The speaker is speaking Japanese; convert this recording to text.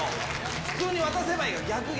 普通に渡せばいいから、逆、逆。